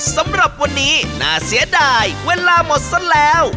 สำหรับวันนี้น่าเสียดายเวลาหมดซะแล้ว